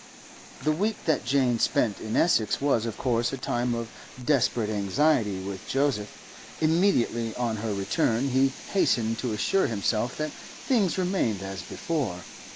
The week that Jane spent in Essex was of course a time of desperate anxiety with Joseph; immediately on her return he hastened to assure himself that things remained as before.